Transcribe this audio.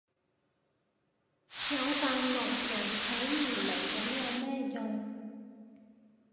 有但聾人睇唔明噉有咩用